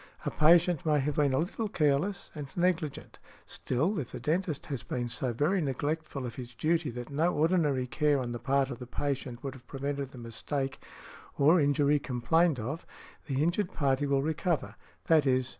A patient may have been a little careless and negligent; still, if the dentist has been so very neglectful of his duty that no ordinary care on the part of the patient would have prevented the mistake or injury complained of, the injured party will recover, _i.e.